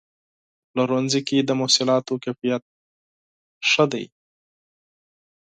په پلورنځي کې د محصولاتو کیفیت مهم دی.